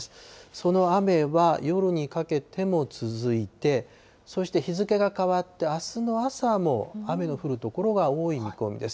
その雨は夜にかけても続いて、そして日付が変わって、あすの朝も雨の降る所が多い見込みです。